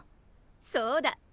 そうだ！